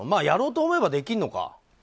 やろうと思えばできるのか。